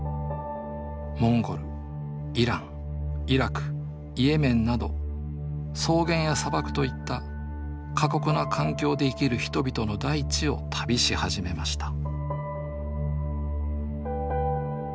モンゴルイランイラクイエメンなど草原や砂漠といった過酷な環境で生きる人々の大地を旅し始めました